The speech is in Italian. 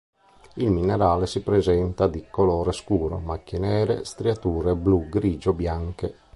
Il minerale si presenta di colore scuro: macchie nere striature blu-grigio-bianche.